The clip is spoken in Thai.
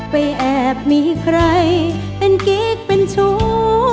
แอบมีใครเป็นกิ๊กเป็นชู้